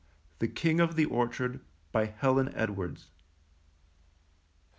THE KING OF THE ORCHARD. BY HELEN EDWARDS.